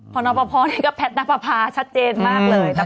พอร์โนปพอร์เนี้ยก็แพทนักภาพภาชัดเจนมากเลย